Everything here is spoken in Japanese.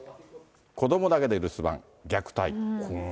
子どもだけで留守番、虐待。